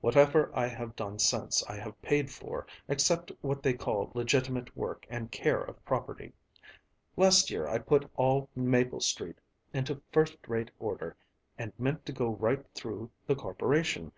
Whatever I have done since I have paid for, except what they call legitimate work and care of property. Last year I put all Maple Street into first rate order and meant to go right through the Corporation.